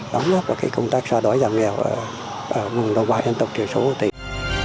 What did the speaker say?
đóng góp vào cái công tác xã đói giảm nghèo ở nguồn đồng bào dân tộc triều số hồ tịnh